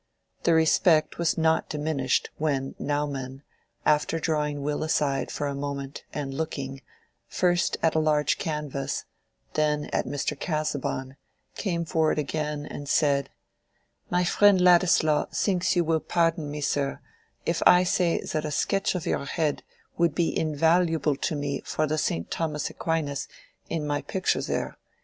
The respect was not diminished when Naumann, after drawing Will aside for a moment and looking, first at a large canvas, then at Mr. Casaubon, came forward again and said— "My friend Ladislaw thinks you will pardon me, sir, if I say that a sketch of your head would be invaluable to me for the St. Thomas Aquinas in my picture there.